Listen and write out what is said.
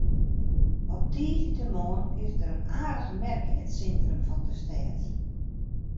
Op tiisdeitemoarn is der in aardige merk yn it sintrum fan de stêd.